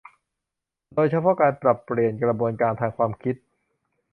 โดยเฉพาะการปรับเปลี่ยนกระบวนการทางความคิด